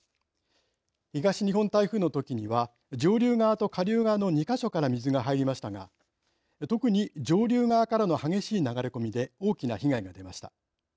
東日本台風のときには上流側と下流側の２か所から水が入りましたが特に上流側からの激しい流れ込みで大きな被害が出ました。